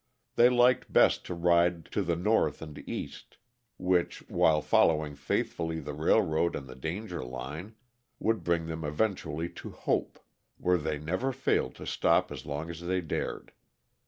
They liked best to ride to the north and east which, while following faithfully the railroad and the danger line, would bring them eventually to Hope, where they never failed to stop as long as they dared.